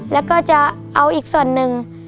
แล้วก็จะเอาอีกส่วนหนึ่ง